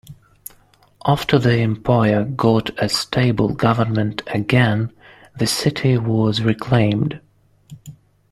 After the empire got a stable government again, the city was reclaimed.